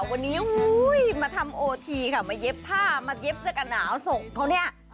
วันนี้มาทำโอทีค่ะมาเย็บผ้ามาเย็บเสื้อกันหนาวส่งเขาเนี่ย